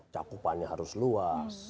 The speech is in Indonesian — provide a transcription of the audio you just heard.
cakupannya harus luas